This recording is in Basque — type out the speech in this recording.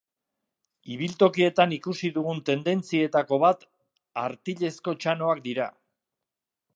Ibiltokietan ikusi dugun tendentzietako bat artilezko txanoak dira.